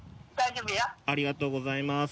ありがとうございます。